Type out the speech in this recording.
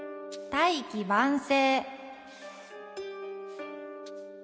「大器晩成」。